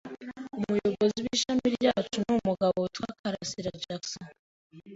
Umuyobozi w'ishami ryacu ni umugabo witwa KarasiraJackson.